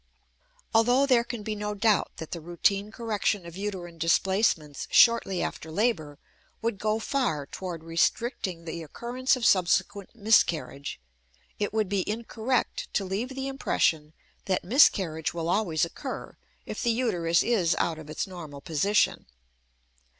Although there can be no doubt that the routine correction of uterine displacements shortly after labor would go far toward restricting the occurrence of subsequent miscarriage, it would be incorrect to leave the impression that miscarriage will always occur if the uterus is out of its normal position.